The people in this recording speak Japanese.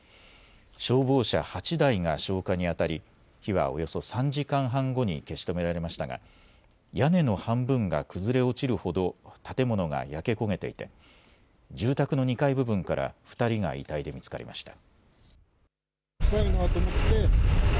消防車８台が消火にあたり火はおよそ３時間半後に消し止められましたが屋根の半分が崩れ落ちるほど建物が焼け焦げていて住宅の２階部分から２人が遺体で見つかりました。